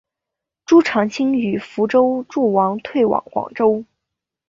朱常清与福州诸王退往广州。